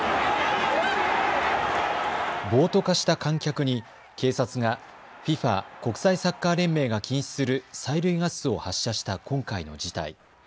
暴徒化した観客に警察がＦＩＦＡ・国際サッカー連盟が禁止する催涙ガスを発射した今回の事態。